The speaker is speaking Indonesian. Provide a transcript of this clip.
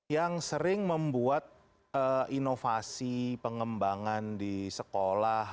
yang sering membuat inovasi pengembangan di sekolah